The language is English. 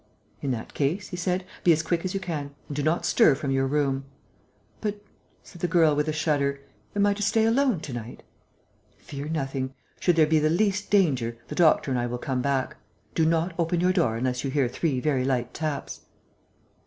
"In that case," he said, "be as quick as you can ... and do not stir from your room...." "But," said the girl, with a shudder, "am I to stay alone to night?" "Fear nothing. Should there be the least danger, the doctor and I will come back. Do not open your door unless you hear three very light taps."